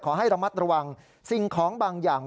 ขอให้ระมัดระวังสิ่งของบางอย่าง